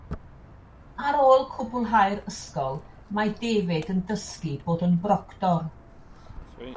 Ar ôl cwblhau'r ysgol, mae David yn dysgu bod yn broctor.